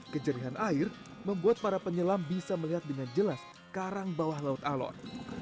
kejerihan air membuat para penyelam bisa melihat dengan jelas karang bawah laut alor